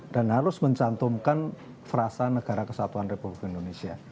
dan harus mencantumkan frasa negara kesatuan republik indonesia